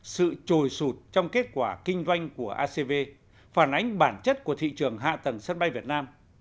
sự trồi sụt trong kết quả kinh doanh của acv phản ánh bản chất của thị trường hạ tầng sân bay việt nam